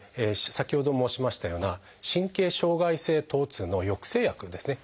先ほど申しましたような神経障害性疼痛の抑制薬ですね